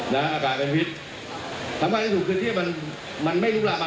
ถ้าแก้การรักการหรือทำอะไรมักาลงไป